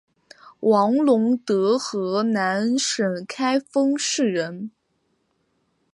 王陇德河南省开封市人。